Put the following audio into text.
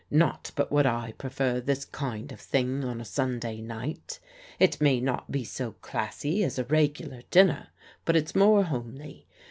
Not but what I prefer this kind of thing on a Stmday night. It may not be so classy as^a regular dinner, but it's more homely.